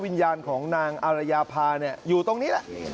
วิญญาณของนางอรยาพาอยู่ตรงนี้